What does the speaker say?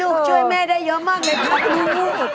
ช่วยแม่ได้เยอะมากเลยครับลูก